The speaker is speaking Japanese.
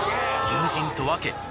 友人と分け